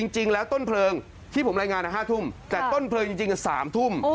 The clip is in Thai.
จริงแล้วต้นเพลิงที่ผมรายงาน๕ทุ่มแต่ต้นเพลิงจริง๓ทุ่ม